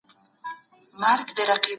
پخواني اصول څنګه پاتې دي؟